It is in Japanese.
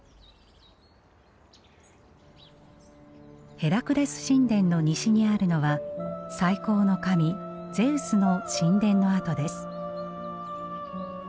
ヘラクレス神殿の西にあるのは最高の神ゼウスの神殿の跡です。